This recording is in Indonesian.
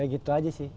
ya gitu aja sih